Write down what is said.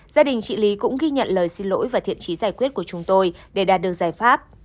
gia đình chị lý cũng ghi nhận lời xin lỗi và thiện trí giải quyết của chúng tôi để đạt được giải pháp